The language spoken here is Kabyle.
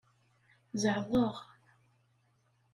Zeɛḍeɣ.